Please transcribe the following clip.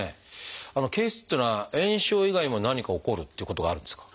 憩室っていうのは炎症以外にも何か起こるっていうことがあるんですか？